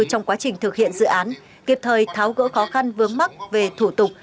trong quá trình thực hiện dự án kịp thời tháo gỡ khó khăn vướng mắt về thủ tục